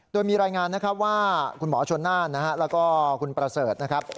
โดยมีรายงานนะครับว่าคุณหมอชนน่านนะฮะแล้วก็คุณประเสริฐนะครับ